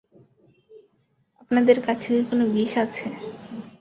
আপনাদের কাছে কি কোনো বিষ আছে?